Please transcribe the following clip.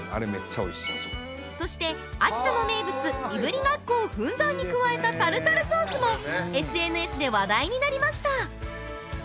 そして、秋田の名物いぶりがっこをふんだんに加えたタルタルソースもＳＮＳで話題になりました。